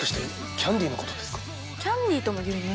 キャンディーとも言うね。